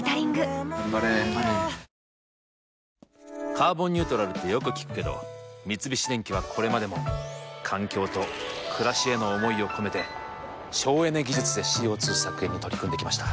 「カーボンニュートラル」ってよく聞くけど三菱電機はこれまでも環境と暮らしへの思いを込めて省エネ技術でＣＯ２削減に取り組んできました。